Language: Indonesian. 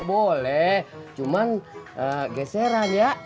boleh cuma geseran ya